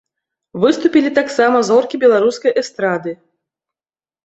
Выступілі таксама зоркі беларускай эстрады.